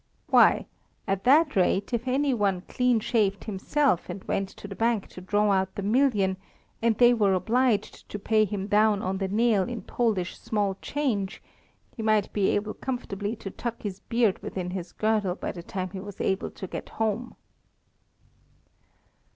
Why, at that rate, if any one clean shaved himself and went to the Bank to draw out the million, and they were obliged to pay him down on the nail in Polish small change, he might be able comfortably to tuck his beard within his girdle by the time he was able to get home.